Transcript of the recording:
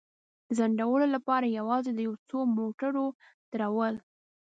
د ځنډولو لپاره یوازې د یو څو موټرو درول.